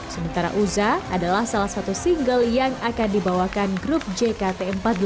sementara uza adalah salah satu single yang akan dibawakan grup jkt empat puluh delapan